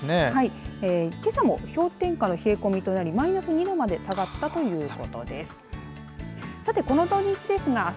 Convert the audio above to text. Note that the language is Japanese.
けさも氷点下の冷え込みとなりマイナス２度まで下がったということです。